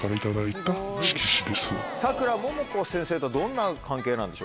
さくらももこ先生とはどんな関係なんでしょうか？